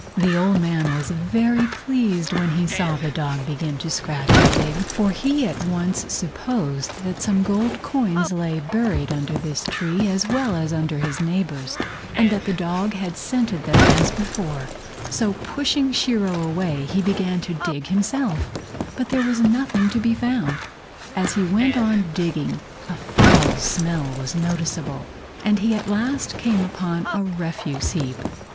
The old man was very pleased when he saw the dog begin to scratch and dig, for he at once supposed that some gold coins lay buried under his tree as well as under his neighbor's, and that the dog had scented them as before; so pushing Shiro away he began to dig himself, but there was nothing to be found. As he went on digging a foul smell was noticeable, and he at last came upon a refuse heap.